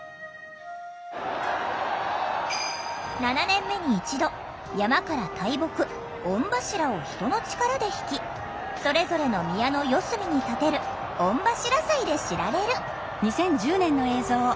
７年目に一度山から大木「御柱」を人の力でひきそれぞれの宮の四隅に建てる「御柱祭」で知られる。